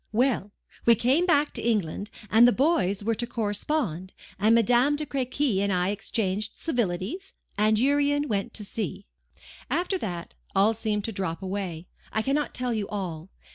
"Well! we came back to England, and the boys were to correspond; and Madame de Crequy and I exchanged civilities; and Urian went to sea." "After that, all seemed to drop away. I cannot tell you all.